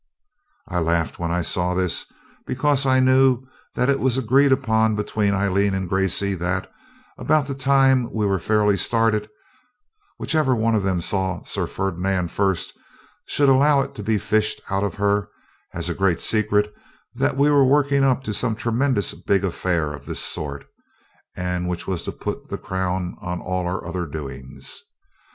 I laughed when I saw this, because I knew that it was agreed upon between Aileen and Gracey that, about the time we were fairly started, whichever of them saw Sir Ferdinand first should allow it to be fished out of her, as a great secret, that we were working up to some tremendous big affair of this sort, and which was to put the crown on all our other doings.